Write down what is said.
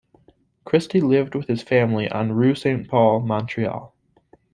Christie lived with his family on Rue Saint-Paul, Montreal.